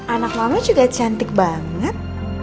anak lama juga cantik banget